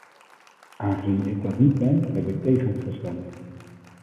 Aangezien ik dat niet ben, heb ik tegen gestemd.